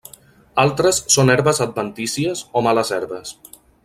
Altres són herbes adventícies o males herbes.